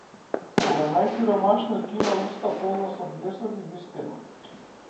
Кога најсиромашниот ќе има уста полна со блесок и вистина.